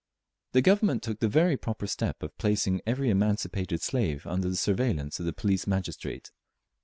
The Government took the very proper step of placing every emancipated slave under the surveillance of the police magistrate.